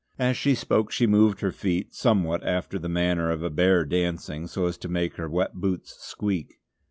As she spoke she moved her feet somewhat after the manner of a bear dancing, so as to make her wet boots squeak.